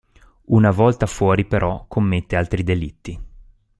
Una volta fuori, però, commette altri delitti.